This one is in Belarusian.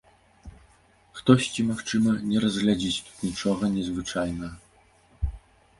Хтосьці, магчыма, не разглядзіць тут нічога незвычайнага.